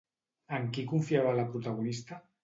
En qui confiava la protagonista?